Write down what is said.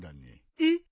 えっ？